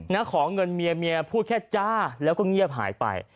นักของเงินเมียพูดแค่จ้าแล้วก็เงียบหายไป